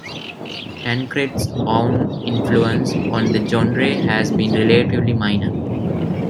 Tancred's own influence on the genre has been relatively minor.